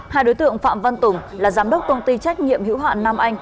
hai đối tượng phạm văn tùng là giám đốc công ty trách nhiệm hữu hạn nam anh